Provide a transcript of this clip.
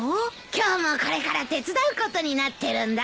今日もこれから手伝うことになってるんだ。